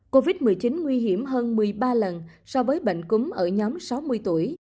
covid một mươi chín nguy hiểm hơn một mươi ba lần so với bệnh cúm ở nhóm sáu mươi tuổi